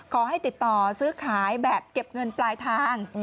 ขอให้ติดต่อซื้อขายแบบเก็บเงินปลายทาง